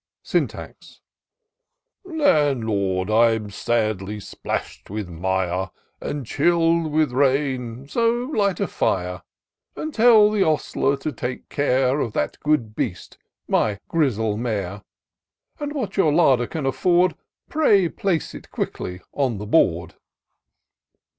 Syntax. Landlord^ I'm sadly splash'd with mire And chill'd with rain^ so light a fire; And tell the ostler to take care Of that good beast, my Grizzle mare ; And what your larder can afford, Pray place it quickly on the board."